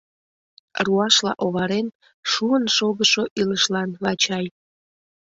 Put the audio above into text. Руашла оварен, шуын шогышо илышлан Вачай.